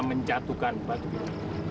menjatuhkan batu biru